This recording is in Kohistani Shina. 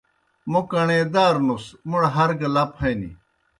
موْ کݨے دارنُس، موْڑ ہر گہ لپ ہنیْ۔